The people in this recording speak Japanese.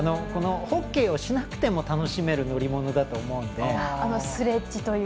このホッケーをしなくても楽しめる乗り物だと思うので。